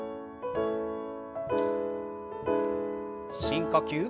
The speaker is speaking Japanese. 深呼吸。